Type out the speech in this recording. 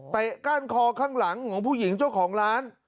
ก้านคอข้างหลังของผู้หญิงเจ้าของร้าน